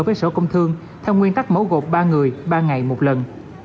với sở công thương theo nguyên tắc mẫu gộp ba người ba ngày một lần